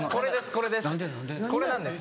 これです